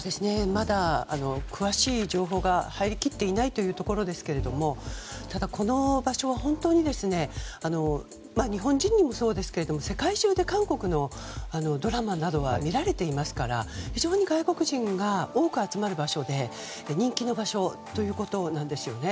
まだ、詳しい情報が入り切っていないということですがただ、この場所は本当に日本人にもそうですが世界中で韓国のドラマなどは見られていますから非常に外国人が多く集まる場所で人気の場所ということなんですよね。